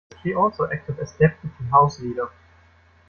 She also acted as Deputy House Leader.